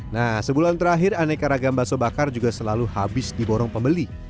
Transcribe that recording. nah sebulan terakhir aneka ragam bakso bakar juga selalu habis di borong pembeli